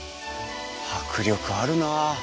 迫力あるな！